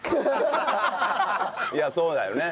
いやあそうだよね。